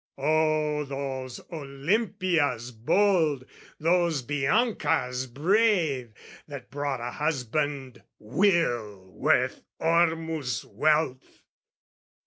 O those Olimpias bold, those Biancas brave, That brought a husband will worth Ormuz' wealth!